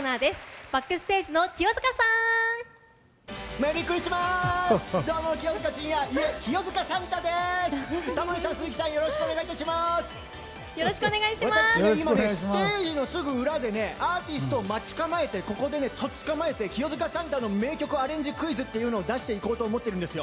私、今ステージのすぐ裏でアーティストを待ち構えてここでとっ捕まえて清塚サンタの名曲アレンジクイズを出していこうと思ってるんですよ。